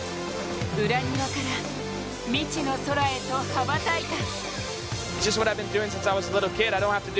裏庭から未知の空へと羽ばたいた。